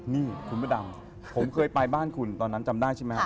นี่คุณพระดำผมเคยไปบ้านคุณตอนนั้นจำได้ใช่ไหมครับ